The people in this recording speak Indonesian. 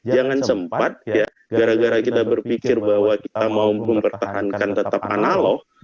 jangan sempat ya gara gara kita berpikir bahwa kita mau mempertahankan tetap analog